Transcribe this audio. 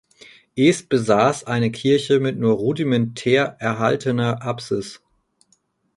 Es besaß eine Kirche mit nur rudimentär erhaltener Apsis.